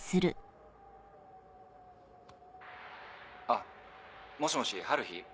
あっもしもし悠日？